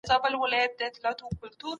مرتد ته باید حقایق څرګند سي.